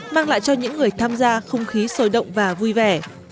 mang lại cho những người tham gia không khí sôi động và vui vẻ